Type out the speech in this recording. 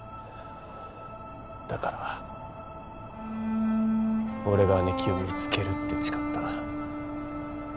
だから俺が姉貴を見つけるって誓った。